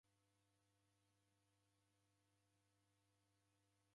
Ghenja machi nyumbenyi.